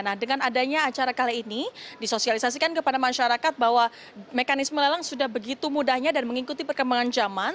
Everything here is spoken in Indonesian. nah dengan adanya acara kali ini disosialisasikan kepada masyarakat bahwa mekanisme lelang sudah begitu mudahnya dan mengikuti perkembangan zaman